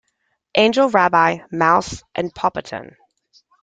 Angel Rabbie, Mouse, and Popotan.